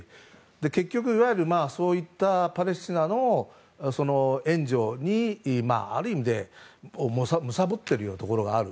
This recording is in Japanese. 結局そういったパレスチナの援助にある意味でむさぼっているようなところがある。